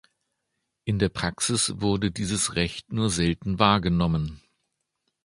In der Praxis wurde dieses Recht nur selten wahrgenommen.